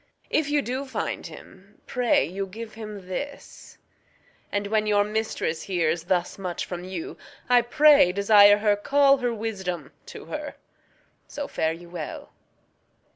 If you do find him, pray you give him this; And when your mistress hears thus much from you, I pray desire her call her wisdom to her. So farewell.